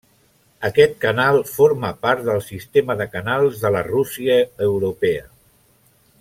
Aquest canal forma part del sistema de canals de la Rússia europea.